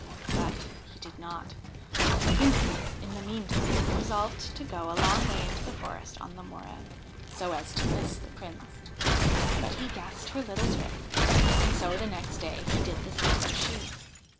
But he did not. The Princess in the meantime resolved to go a long way into the forest on the morrow, so as to miss the Prince ; but he guessed her little trick, and so the next day he did the same as she.